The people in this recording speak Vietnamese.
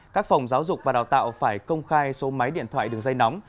các phòng giáo dục và đào tạo phải công khai số máy điện thoại đường dây nóng